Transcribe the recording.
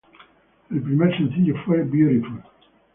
El primer sencillo fue "Beautiful".